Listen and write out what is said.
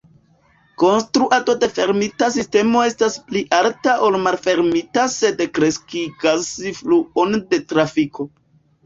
Konstruado de fermita sistemo estas pli alta ol malfermita sed kreskigas fluon de trafiko.